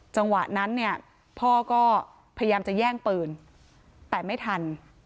จังหวะนั้นเนี่ยพ่อก็พยายามจะแย่งปืนแต่ไม่ทัน